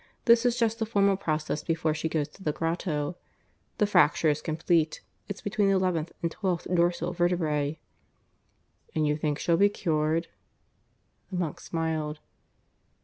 This is just the formal process before she goes to the grotto. The fracture is complete. It's between the eleventh and twelfth dorsal vertebrae." "And you think she'll be cured?" The monk smiled.